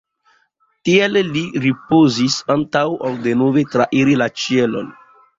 Tie li ripozis antaŭ ol denove trairi la ĉielon.